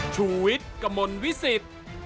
ชุวิตกมลวิสิต